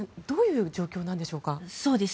どういう状況でしょうか？